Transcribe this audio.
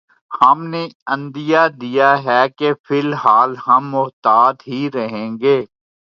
ہم نے عندیہ دے دیا ہے کہ فی الحال ہم محتاط ہی رہیں گے۔